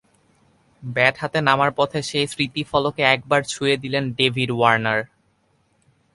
Bat হাতে নামার পথে সেই স্মৃতিফলকে একবার ছুঁয়ে দিলেন ডেভিড ওয়ার্নার।